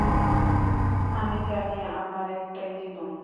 আমি জানি, আমার একটাই জীবন।